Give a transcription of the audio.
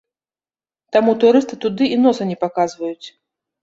Таму турысты туды і носа не паказваюць.